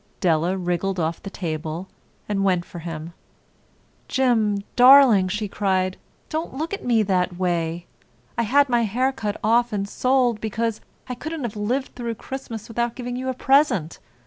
Della wriggled off the table and went for him. "Jim, darling," she cried, "don't look at me that way. I had my hair cut off and sold because I couldn't have lived through Christmas without giving you a present.